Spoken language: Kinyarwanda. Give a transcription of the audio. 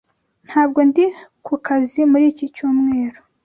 Ntabwo ndi ku kazi muri iki cyumweru.